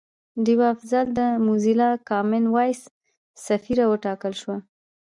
ډیوه افضل د موزیلا کامن وایس سفیره وټاکل شوه